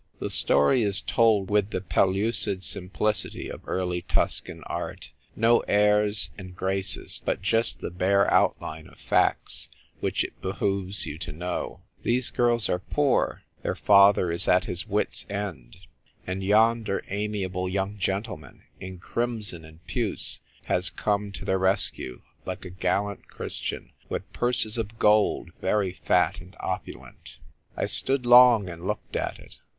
The story is told with the pellucid simplicity of early Tuscan art ; no airs and graces, but just the bare outline of facts which it behoves you to know ;— these girls are D 2 ■n 44 THE TYPE WRITER GIRL. poor ; their father is at his wits' end ; and 3'onder amiable young gentleman, in crimson and puce, has come to their rescue, like a gallant Christian, willi purses of gold very fat and opulent. I stood long and looked at it.